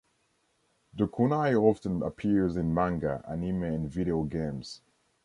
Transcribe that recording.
The kunai often appears in manga, anime and video games.